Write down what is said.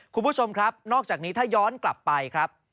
คุณผู้ชมครับนอกจากนี้ถ้าย้อนกลับไปครับ